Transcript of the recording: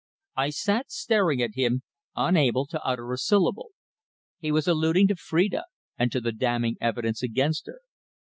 I sat staring at him, unable to utter a syllable. He was alluding to Phrida, and to the damning evidence against her.